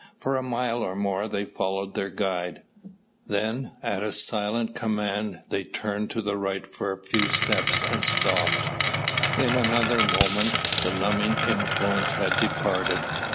For a mile or more they followed their guide, then, at a silent command, they turned to the right for a few steps and stopped. In another moment, the numbing influence had departed.